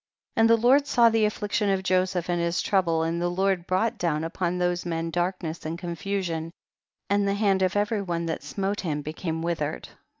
28. And the Lord saw the affliction of Joseph and his trouble, and the Lord brought down upon those men darkness and confusion, and the hand of every one that smote him became withered.